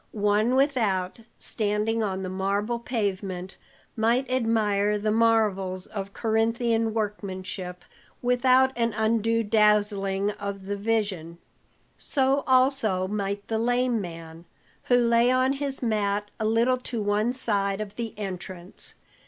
One without, standing on the marble pavement, might admire the marvels of Corinthian workmanship without an undue dazzling of the vision; so also might the lame man, who lay on his mat a little to one side of the entrance.